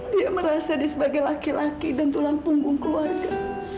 dia merasa dia sebagai laki laki dan tulang punggung keluarga